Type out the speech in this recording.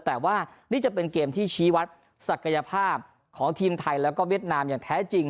แต่ว่านี่จะเป็นเกมที่ชี้วัดศักยภาพของทีมไทยแล้วก็เวียดนามอย่างแท้จริง